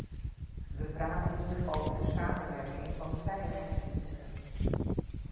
We praten hier over de samenwerking van de veiligheidsdiensten.